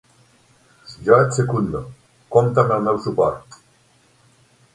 Jo et secundo: compta amb el meu suport.